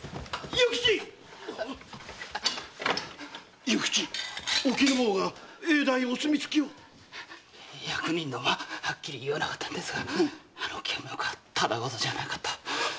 勇吉おきぬ坊が永代お墨付きを⁉役人どもははっきり言わなかったんですがあのけんまくはただごとじゃなかった！